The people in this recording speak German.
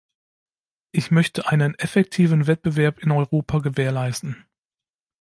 Ich möchte einen effektiven Wettbewerb in Europa gewährleisten.